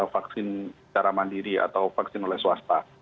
vaksin secara mandiri atau vaksin oleh swasta